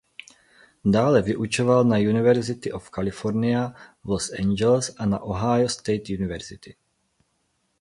Dále vyučoval na University of California v Los Angeles a na Ohio State University.